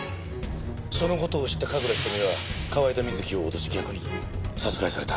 その事を知った神楽瞳は河井田瑞希を脅し逆に殺害された。